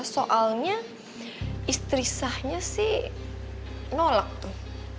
soalnya istri sahnya sih nolak tuh